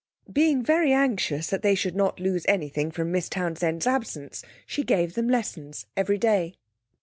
Being very anxious that they should not lose anything from Miss Townsend's absence, she gave them lessons every day.